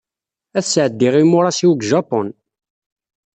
Ad sɛeddiɣ imuṛas-iw deg Japun.